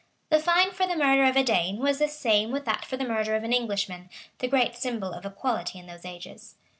The fine for the murder of a Dane was the same with that for the murder of an Englishman; the great symbol of equality in those ages.